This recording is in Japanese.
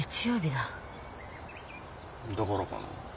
だからかな。